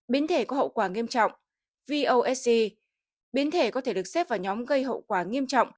biến thể có hậu quả nghiêm trọng vosc biến thể có thể được xếp vào nhóm gây hậu quả nghiêm trọng